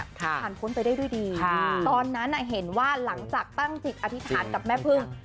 ผ่านพ้นไปได้ด้วยดีตอนนั้นเห็นว่าหลังจากตั้งจิตอธิษฐานกับแม่พึ่ง